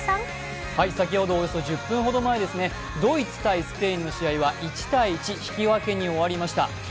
先ほどおよそ１０分ほど前ドイツ×スペインの試合は１−１、引き分けに終わりました。